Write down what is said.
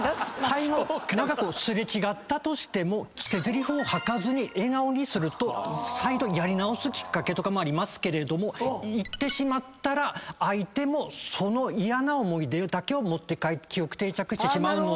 最後長く擦れ違ったとしても捨てぜりふを吐かずに笑顔にすると再度やり直すきっかけとかもありますけれども言ってしまったら相手もその嫌な思い出だけを持って帰って記憶定着してしまうので。